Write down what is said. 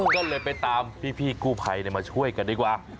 ก็เลยไปตามพี่กู้ภัยมาช่วยกันดีกว่า